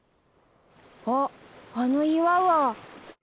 あっあの岩は。